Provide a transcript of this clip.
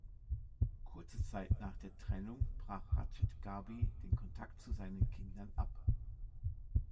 Kurze Zeit nach der Trennung brach Rachid Gharbi den Kontakt zu seinen Kindern ab.